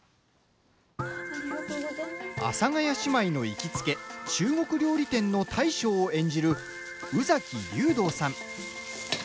阿佐ヶ谷姉妹の行きつけ中国料理店の大将を演じる宇崎竜童さん。